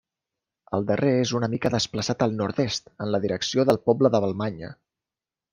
El darrer és una mica desplaçat al nord-est, en la direcció del poble de Vallmanya.